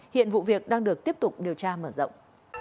hiện vụ việc đang được tiếp tục điều tra mở rộng